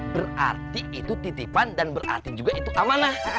berarti itu titipan dan berarti juga itu amanah